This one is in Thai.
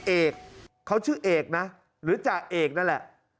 เอกเขาชื่อเอกนะหรือจ่าเอกนั่นแหละ